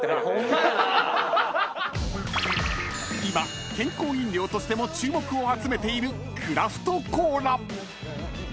［今健康飲料としても注目を集めているクラフトコーラ］